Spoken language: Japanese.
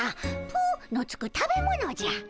「ぷ」のつく食べ物じゃ。